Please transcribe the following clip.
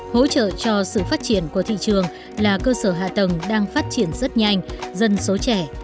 hỗ trợ cho sự phát triển của thị trường là cơ sở hạ tầng đang phát triển rất nhanh dân số trẻ